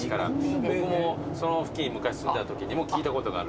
僕もその付近昔住んでたときにも聞いたことがある。